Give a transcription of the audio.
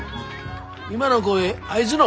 今の声あいづの？